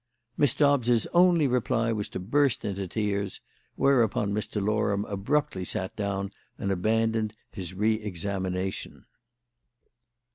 Miss Dobbs' only reply was to burst into tears; whereupon Mr. Loram abruptly sat down and abandoned his re examination.